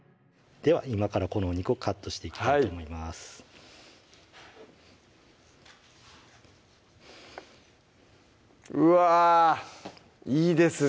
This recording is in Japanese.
では今からこのお肉をカットしていきたいと思いますうわいいですね